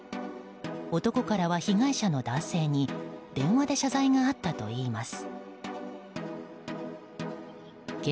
男からは、被害者の男性に電話で謝罪があったといいます。